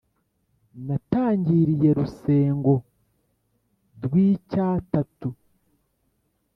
natangiiriye rusengo rw’icy’atatu